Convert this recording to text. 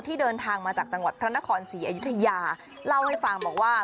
เดินทางมาจากจังหวัดพระนครศรีอยุธยาเล่าให้ฟังบอกว่า